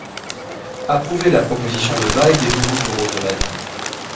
Approuver la proposition de bail des nouveaux bureaux de Rennes.